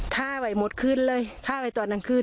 ทาไว้หมดขึ้นเลยทาไว้ตอนนั้นขึ้น